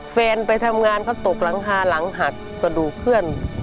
แฟนไปทำงานเขาตกหลังคาหลังหักกระดูกเพื่อน